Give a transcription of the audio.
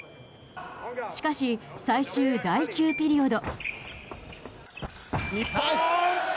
しかし、最終第９ピリオド。